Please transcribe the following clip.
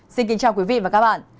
xin kính chào quý vị và các bạn